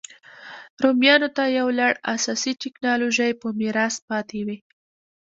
رومیانو ته یو لړ اساسي ټکنالوژۍ په میراث پاتې وې